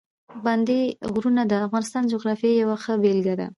پابندي غرونه د افغانستان د جغرافیې یوه ښه بېلګه ده.